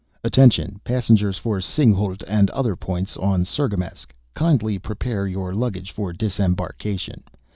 "Attention passengers for Singhalût and other points on Cirgamesç! Kindly prepare your luggage for disembarkation.